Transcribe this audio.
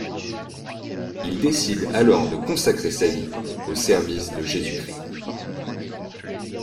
Il décide alors de consacrer sa vie au service de Jésus Christ.